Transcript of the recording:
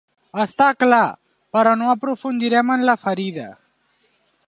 Està clar, però no aprofundirem en la ferida.